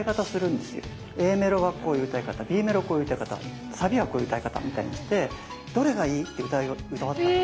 Ａメロはこういう歌い方Ｂメロこういう歌い方サビはこういう歌い方みたいにして「どれがいい？」って歌い終わった時に。